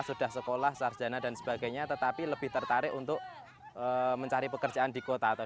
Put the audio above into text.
sudah sekolah sarjana dan sebagainya tetapi lebih tertarik untuk mencari pekerjaan di kota atau